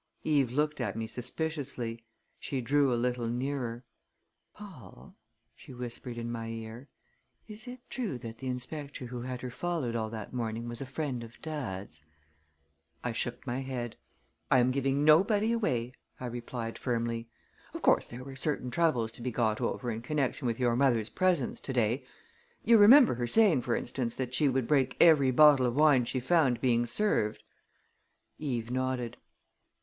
Eve looked at me suspiciously. She drew a little nearer. "Paul," she whispered in my ear, "is it true that the inspector who had her followed all that morning was a friend of dad's?" I shook my head. "I am giving nobody away," I replied firmly. "Of course there were certain troubles to be got over in connection with your mother's presence to day. You remember her saying, for instance, that she would break every bottle of wine she found being served?" Eve nodded.